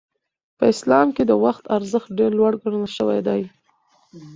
په اسلام کې د وخت ارزښت ډېر لوړ ګڼل شوی دی.